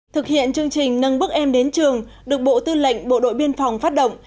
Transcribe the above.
thực hiện chương trình nâng bước em đến trường được bộ tư lệnh bộ đội biên phòng phát động